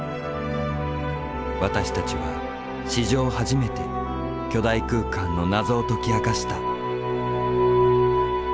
私たちは史上初めて巨大空間の謎を解き明かした。